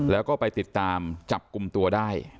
แล้วก็ไปติดตามจับกลุ่มตัวได้